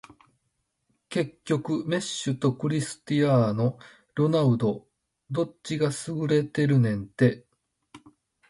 結局メッシとクリスティアーノ・ロナウドどっちが優れてるねんて